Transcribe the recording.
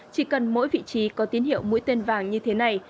chỉ cần mỗi vị trí có tín hiệu mũi tên vàng như thế này